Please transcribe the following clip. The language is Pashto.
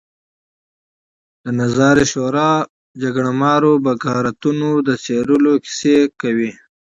د نظار شورا جګړهمار بکارتونو د څېرلو کیسې کوي.